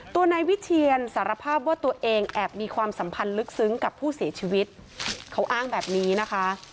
ตัวนายวิเชียนสารภาพว่าตัวเองแอบมีความสัมพันธ์ลึกซึ้งกับผู้เสียชีวิตเขาอ้างแบบนี้นะคะ